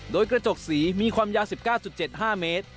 โดยกระจกสีมีความยาว๑๙๗๕เมตร